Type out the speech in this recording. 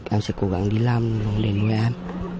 em sẽ cố gắng đi làm để nuôi em